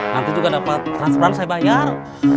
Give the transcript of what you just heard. nanti juga dapat transferan saya bayar